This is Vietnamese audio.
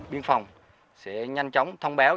biên phòng sẽ nhanh chóng thông báo